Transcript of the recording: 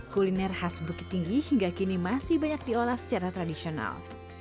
kuliner khas bukit tinggi hingga kini masih banyak diolah secara tradisional